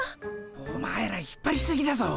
お前ら引っぱりすぎだぞ。